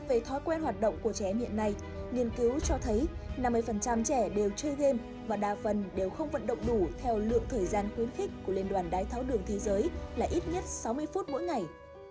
về thói quen hoạt động của trẻ hiện nay nghiên cứu cho thấy năm mươi trẻ đều chơi game và đa phần đều không vận động đủ theo lượng thời gian khuyến khích của liên đoàn đái tháo đường thế giới là ít nhất sáu mươi phút mỗi ngày